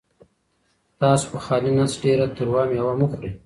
تاسو په خالي نس ډېره تروه مېوه مه خورئ.